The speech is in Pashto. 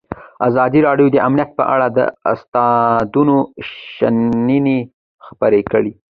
ازادي راډیو د امنیت په اړه د استادانو شننې خپرې کړي.